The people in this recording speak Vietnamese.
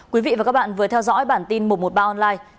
quý vị và các bạn vừa theo dõi bản tin một trăm một mươi ba online